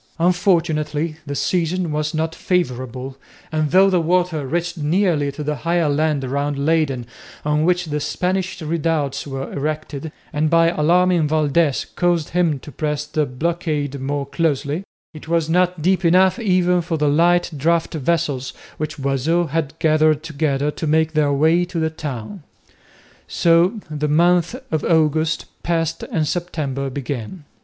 Unfortunately the season was not favourable, and though the water reached nearly to the higher land round Leyden on which the Spanish redoubts were erected, and by alarming Valdez caused him to press the blockade more closely, it was not deep enough even for the light draught vessels, which Boisot had gathered together, to make their way to the town. So the month of August passed and September began.